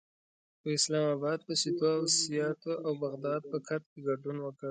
خو اسلام اباد په سیتو او سیاتو او بغداد پکت کې ګډون وکړ.